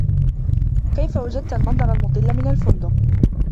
كيف وجدت المنظر المطل من الفندق؟